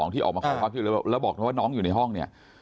ที่ออกมาคอบความชื่อแล้วบอกว่าน้องอยู่ในห้องเนี่ย